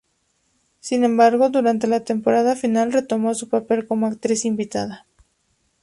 Sin embargo, durante la temporada final, retomó su papel como actriz invitada.